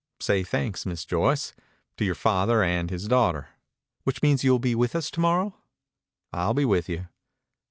"I say thanks, Miss Joyce, to your father and his daughter." "Which means you'll be with us to morrow." "I'll be with you."